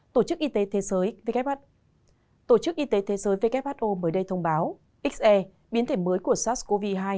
tổ chức y tế thế giới who mới đây thông báo xe biến thể mới của sars cov hai